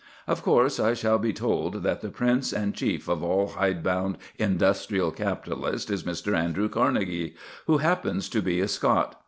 Of course, I shall be told that the prince and chief of all hide bound industrial capitalists is Mr. Andrew Carnegie, who happens to be a Scot.